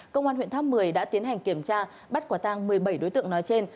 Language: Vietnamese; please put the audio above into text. công an huyện tháp một mươi đã tiến hành kiểm tra bắt quả tang một mươi bảy đối tượng nói trên